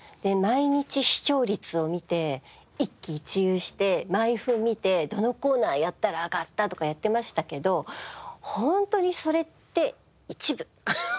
毎日視聴率を見て一喜一憂して毎分見てどのコーナーやったら上がったとかやってましたけどホントにそれって一部。